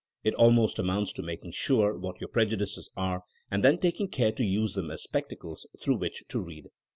It almost amounts to making sure what your prejudices are, and then taking care to use them as spectacles through which to read.